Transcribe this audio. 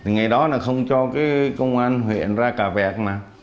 ngày đó là không cho công an huyện ra cà vẹt